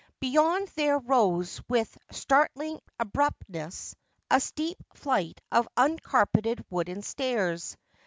Beyond there rose with startling abruptness a steep flight of uncarpeted wooden stairs.